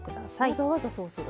わざわざそうする？